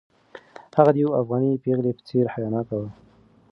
هغه د یوې افغانۍ پېغلې په څېر حیاناکه وه.